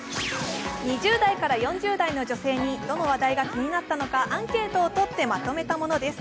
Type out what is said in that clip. ２０代から４０代の女性にどの話題が気になったのかアンケートをとってまとめたものです。